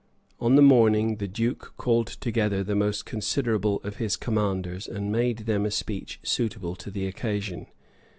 332] On the morning, the duke called together the most considerable of his commanders, and made them a speech suitable to the occasion.